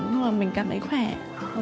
nhưng mà mình cảm thấy khỏe